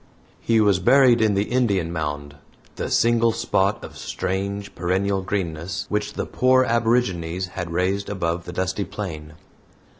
He was buried in the Indian mound the single spot of strange perennial greenness which the poor aborigines had raised above the dusty plain.